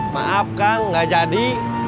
maaf kang gak jadi